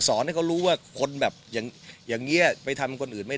ให้เขารู้ว่าคนแบบอย่างนี้ไปทำคนอื่นไม่